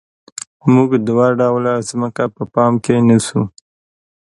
موږ دوه ډوله ځمکه په پام کې نیسو